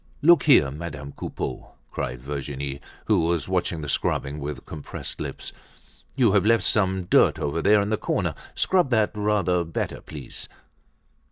"Look here, Madame Coupeau!" cried Virginie, who was watching the scrubbing with compressed lips, "you have left some dirt over there in the corner. Scrub that rather better please."